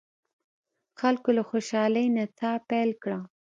خلکو له خوشالۍ نڅا پیل کړه.